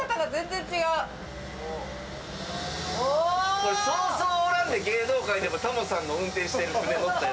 「これそうそうおらんで芸能界でもタモさんの運転している船乗ったやつ」